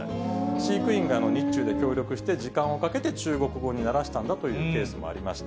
飼育員が日中で協力して時間をかけて中国語に慣らしたんだというケースもありました。